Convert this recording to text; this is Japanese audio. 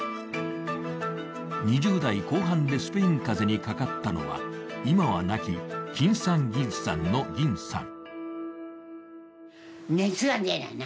２０代後半でスペイン風邪にかかったのは、今は亡き、きんさんぎんさんのぎんさん。